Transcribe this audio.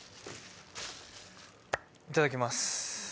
いただきます。